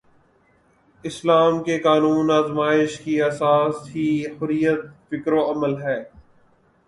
اسلام کے قانون آزمائش کی اساس ہی حریت فکر و عمل ہے۔